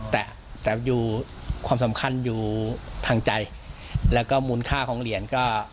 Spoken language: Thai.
แต่ความสำคัญอยู่ทางใจและก็มูลค่าของเหรียญก็